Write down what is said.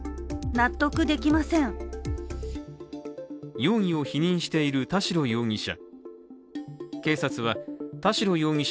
容疑を否認している田代容疑者。